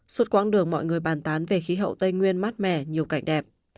suốt quãng đường mọi người bàn tán về khí hậu tây nguyên mát mẻ nhiều cảnh đẹp